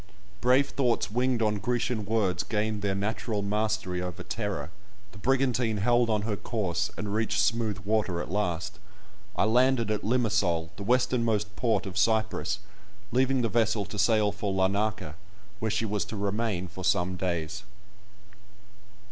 Brave thoughts winged on Grecian words gained their natural mastery over terror; the brigantine held on her course, and reached smooth water at last. I landed at Limasol, the westernmost port of Cyprus, leaving the vessel to sail for Larnaka, where she was to remain for some days.